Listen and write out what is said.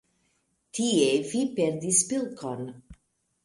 Tie vi perdis pilkon.